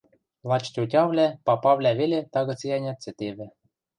Лач тьотявлӓ, папавлӓ веле тагыце-ӓнят цӹтевӹ.